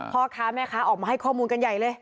พ่อค้าแม่ค้าออกมาให้ข้อมูลกันใหญ่เลย